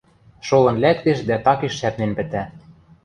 — Шолын лӓктеш дӓ такеш шӓпнен пӹтӓ.